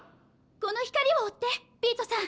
この光を追ってビートさん。